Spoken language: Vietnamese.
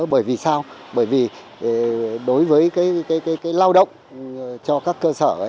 bởi vì sao bởi vì đối với lao động cho các cơ sở